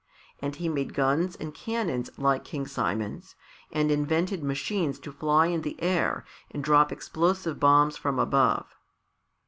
And he made guns and cannons like King Simon's, and invented machines to fly in the air and drop explosive bombs from above.